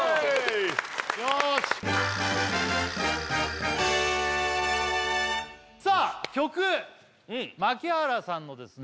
よーしさあ曲槇原さんのですね